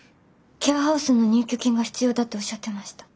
ケアハウスの入居金が必要だとおっしゃってました。